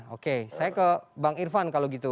oke saya ke bang irfan kalau gitu